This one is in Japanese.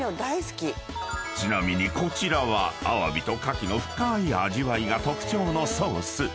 ［ちなみにこちらはアワビと牡蠣の深い味わいが特徴のソース］